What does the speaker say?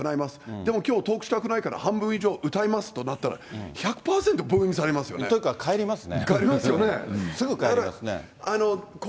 でも、きょうトークしたくないから、半分以上歌いますとなったら、というか、帰りますね。